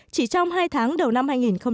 chỉ trong hai tháng đầu năm hai nghìn một mươi bảy